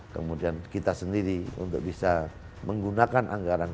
kemudian kita sendiri untuk bisa menggunakan anggaran kontingensi amanusa ini